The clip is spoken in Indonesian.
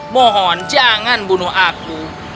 mohon jangan bunuh aku